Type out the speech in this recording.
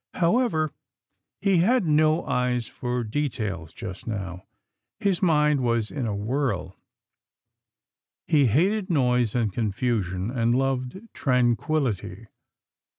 However he had no eyes for details just now. His mind was in a whirl. He hated noise and confusion, and loved tranquillity.